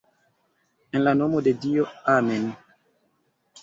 En la nomo de Dio, Amen'.